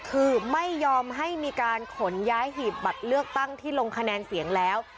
คือไม่ยอมให้มีการขนย้ายหีบบัตรเลือกตั้งที่ลงคะแนนเสียงแล้ว